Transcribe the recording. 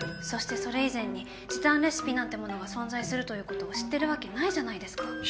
そしてそれ以前に時短レシピなんてものが存在するということを知ってるわけないじゃないですか。